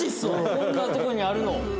こんなとこにあるの。